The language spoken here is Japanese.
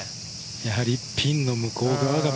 やはりピンの向こう側が